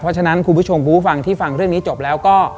เพราะฉะนั้นคุณผู้ชมผู้ฟังที่ฟังเรื่องนี้จบแล้วก็